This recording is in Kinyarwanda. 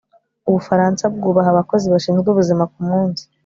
ubufaransa bwubaha abakozi bashinzwe ubuzima kumunsi